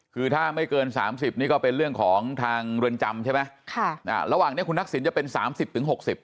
คือถ้าไม่เกิน๓๐นี่ก็เป็นเรื่องของทางเรือนจำใช่ไหมระหว่างนี้คุณทักษิณจะเป็น๓๐ถึง๖๐